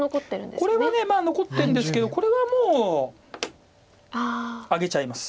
これは残ってるんですけどこれはもうあげちゃいます。